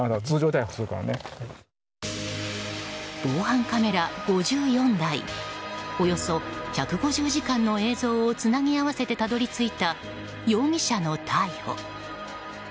防犯カメラ５４台およそ１５０時間の映像をつなぎ合わせてたどり着いた容疑者の逮捕。